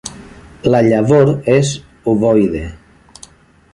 La llavor és ovoide.